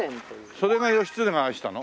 それが義経が愛したの？